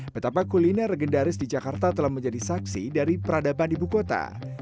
betapa kuliner legendaris di jakarta telah menjadi saksi dari peradaban ibu kota